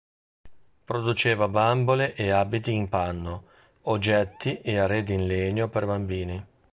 Produceva bambole e abiti in panno, oggetti e arredi in legno per bambini.